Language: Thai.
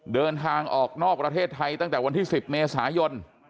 เดินทางออกนอกประเทศไทยตั้งแต่วันที่๑๐เมษายน